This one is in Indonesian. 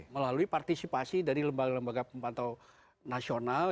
melalui partisipasi dari lembaga lembaga pemantau nasional